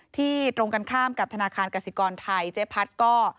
ตรงกันข้ามกับธนาคารกสิกรไทยเจ๊พัดก็